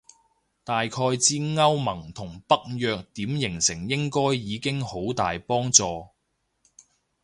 大概知歐盟同北約點形成應該已經好大幫助